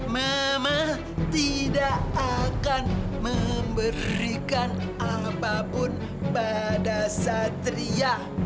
mama tidak akan memberikan apapun pada satria